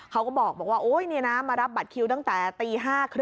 เขาก็บอกว่าโอ๊ยมารับบัตรคิวตั้งแต่ตี๕๓๐